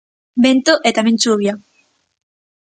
Vento, e tamén chuvia.